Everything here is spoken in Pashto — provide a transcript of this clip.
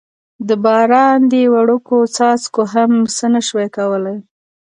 د باران دې وړوکو څاڅکو هم څه نه شوای کولای.